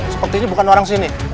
seperti ini bukan orang sini